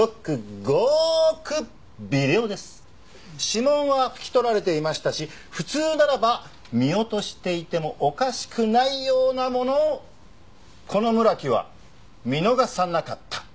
指紋は拭き取られていましたし普通ならば見落としていてもおかしくないようなものをこの村木は見逃さなかった。